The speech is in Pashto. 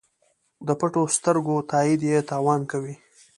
د پټو سترګو تایید یې تاوان کوي.